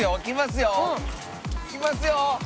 きますよ！